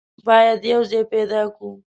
بايد يو ځای پيدا کو.